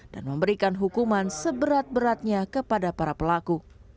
dan memberikan hukuman seberat beratnya kepada para pelaku